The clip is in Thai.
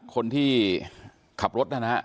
คนที่ขับรถนะฮะ